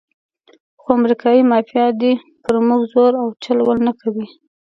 خو امریکایي مافیا دې پر موږ زور او چل ول نه کوي.